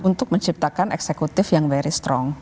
untuk menciptakan eksekutif yang very strong